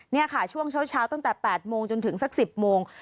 เนี่ยค่ะช่วงเช้าเช้าตรงแต่แปดโมงจนถึงสักสิบโมง